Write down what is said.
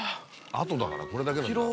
跡だからこれだけなんだ。